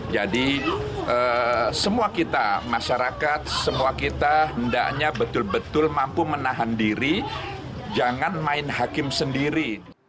jadi semua kita masyarakat semua kita hendaknya betul betul mampu menahan diri jangan main hakim sendiri